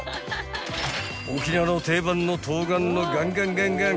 ［沖縄の定番の冬瓜はガンガンガンガン